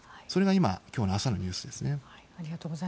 それが今日の朝のニュースですね。